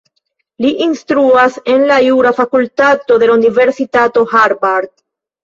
Li instruas en la jura fakultato de la Universitato Harvard.